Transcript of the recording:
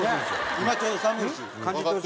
今ちょうど寒いし。